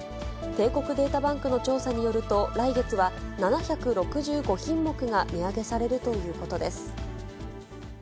帝国データバンクの調査によると、来月は７６５品目が値上げされるということです。